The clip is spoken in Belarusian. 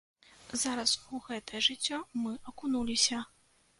Зараз у гэтае жыццё мы акунуліся.